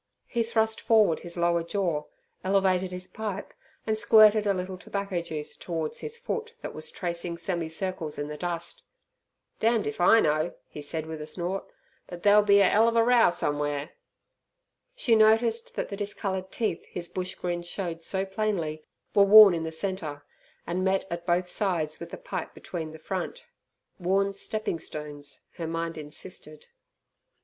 He thrust forward his lower jaw, elevated his pipe, and squirted a little tobacco juice towards his foot that was tracing semicircles in the dust. "Damned if I know," he said with a snort, "but there'll be a 'ell of a row somew'ere." She noticed that the discoloured teeth his bush grin showed so plainly, were worn in the centre, and met at both sides with the pipe between the front. Worn stepping stones, her mind insisted.